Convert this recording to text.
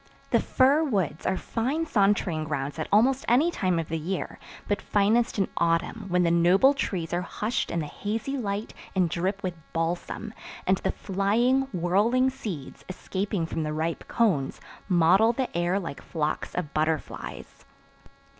The fir woods are fine sauntering grounds at almost any time of the year, but finest in autumn when the noble trees are hushed in the hazy light and drip with balsam; and the flying, whirling seeds, escaping from the ripe cones, mottle the air like flocks of butterflies.